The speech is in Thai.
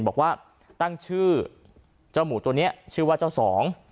บอกว่าตั้งชื่อเจ้าหมูตัวนี้ชื่อว่าเจ้าสอง